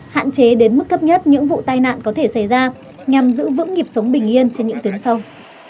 hạn chế đến mức thấp nhất những vụ tai nạn có thể xảy ra nhằm giữ vững nhịp sống bình yên trên những tuyến sông